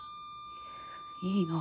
いいの？